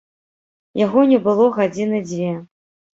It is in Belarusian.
Яго не было гадзіны дзве.